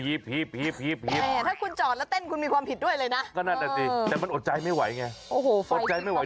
เนาะก็น่ะสิแต่มันอบใจไม่ไหวไง